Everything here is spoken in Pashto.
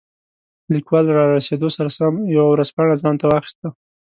لیکوال له رارسېدو سره سم یوه ورځپاڼه ځانته واخیسته.